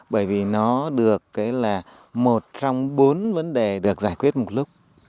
bởi vì nó được là một trong bốn vấn đề được giải quyết một lúc